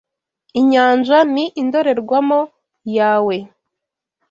Inyanja ni indorerwamo yawe